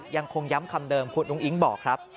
ยังคงย้ำคำเดิมคุณอุ้งอิ๊งบอกครับ